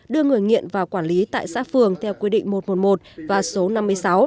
đưa người nghiện vào quản lý tại xã phường theo quy định một trăm một mươi một và số năm mươi sáu